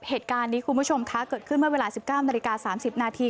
เหตุการณ์นี้คุณผู้ชมคะเกิดขึ้นเมื่อเวลา๑๙นาฬิกา๓๐นาที